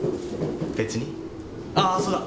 ああそうだ！